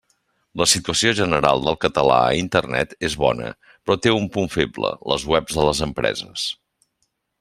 La situació general del català a Internet és bona però té un punt feble, les webs de les empreses.